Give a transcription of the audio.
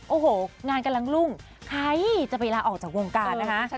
โอ้โหงานกำลังรุ่งใครจะไปลาออกจากวงการนะคะ